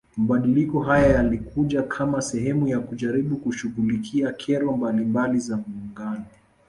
Mabadiliko haya yalikuja kama sehemu ya kujaribu kushughulikia kero mbalimbali za muungano